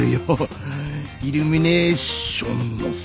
イルミネーションの聖地。